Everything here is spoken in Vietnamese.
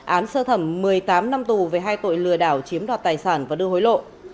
án sơ thẩm một mươi tám năm tù về hai tội lừa đảo chiếm đoạt tài sản và đưa hối lộ